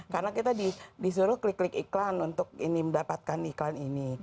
karena kita disuruh klik klik iklan untuk mendapatkan iklan ini